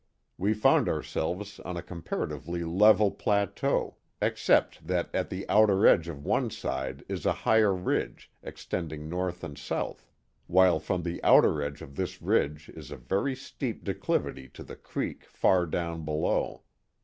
We found ourselves on a comparatively level plateau, except that at Hie outer edge of one side is a higher ridge extending north and south, while from the outer ^dge of this ridge is a very steep declivity to the creek far down below.